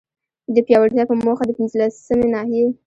د پياوړتيا په موخه، د پنځلسمي ناحيي